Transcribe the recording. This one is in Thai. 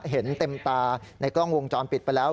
เห็นเต็มตาในกล้องวงจรปิดไปแล้ว